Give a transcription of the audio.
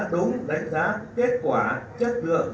đúng đánh giá kết quả chất lượng